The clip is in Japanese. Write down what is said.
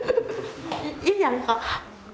いいやんか。